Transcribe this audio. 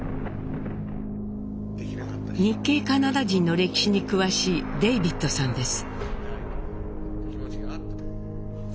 日系カナダ人の歴史に詳しいデイビッドさんです。